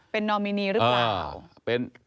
เป็นนอมินีหรือเปล่า